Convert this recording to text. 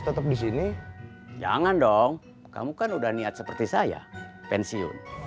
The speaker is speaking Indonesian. tetap di sini jangan dong kamu kan udah niat seperti saya pensiun tapi istri saya masa istri